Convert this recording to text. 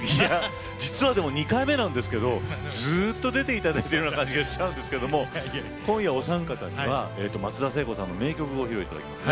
実はでも２回目なんですけどずっと出て頂いてるような感じがしちゃうんですけども今夜お三方には松田聖子さんの名曲を披露頂きます。